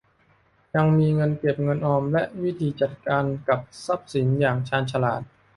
ยังมีเงินเก็บเงินออมและมีวิธีจัดการกับทรัพย์สินอย่างชาญฉลาด